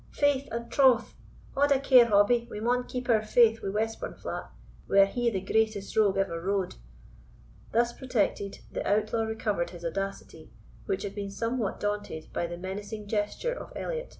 faith and troth! Haud a care, Hobbie we maun keep our faith wi' Westburnflat, were he the greatest rogue ever rode." Thus protected, the outlaw recovered his audacity, which had been somewhat daunted by the menacing gesture of Elliot.